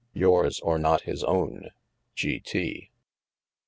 Youres or not his owne. G. T.